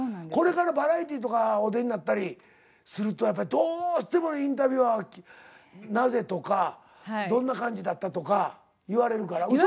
これからバラエティーとかお出になったりするとどうしてもインタビュアーは「なぜ」とか「どんな感じだった」とか言われるから。